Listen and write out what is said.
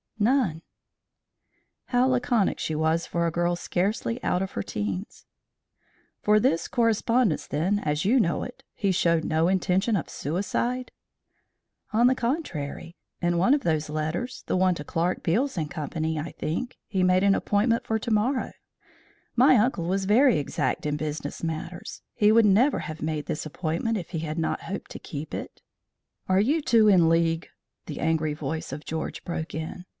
"None." How laconic she was for a girl scarcely out of her teens! "From this correspondence, then, as you know it, he showed no intention of suicide?" "On the contrary. In one of those letters, the one to Clarke, Beales & Co., I think, he made an appointment for to morrow. My uncle was very exact in business matters. He would never have made this appointment if he had not hoped to keep it." "Are you two in league?" the angry voice of George broke in.